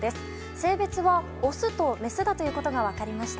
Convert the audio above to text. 性別はオスとメスだということが分かりました。